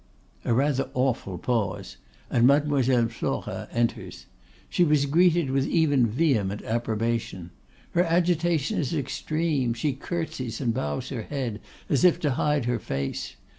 A rather awful pause, and Mademoiselle Flora enters. She was greeted with even vehement approbation. Her agitation is extreme; she curtseys and bows her head, as if to hide her face.